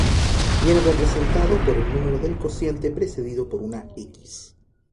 Viene representado por el número del cociente precedido por una 'x'.